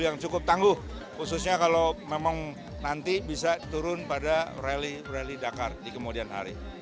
yang cukup tangguh khususnya kalau memang nanti bisa turun pada rally rally dakar di kemudian hari